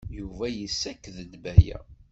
Yuba yessaked-d Baya.